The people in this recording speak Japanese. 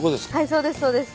そうですそうです。